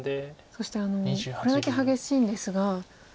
そしてこれだけ激しいんですが。